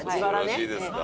よろしいですか？